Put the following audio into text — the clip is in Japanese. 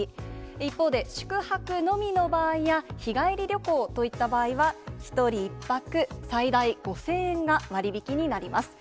一方で、宿泊のみの場合や日帰り旅行といった場合は、１人１泊最大５０００円が割引になります。